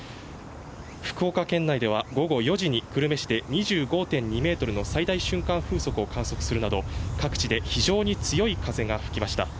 福岡県内では午後４時に久留米市で２５ｍの最大瞬間風速を観測するなど各地で非常に強い風が吹きました。